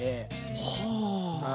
はあ。